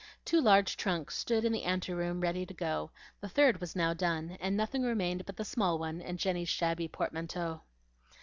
Two large trunks stood in the ante room ready to go; the third was now done, and nothing remained but the small one and Jenny's shabby portmanteau.